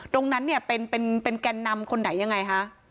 ตรงนั้นเนี่ยเป็นแก่นนำคนไหนยังไงคะ